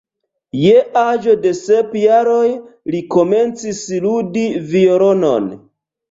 Je aĝo de sep jaroj li komencis ludi violonon.